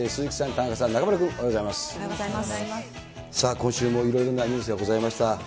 今週もいろいろなニュースがございました。